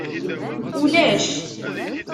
Ulac.